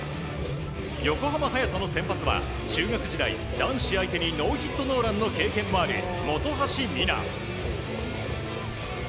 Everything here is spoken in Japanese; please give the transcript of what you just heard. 横浜隼人の先発は、中学時代男子相手にノーヒットノーランの経験もある本橋未菜。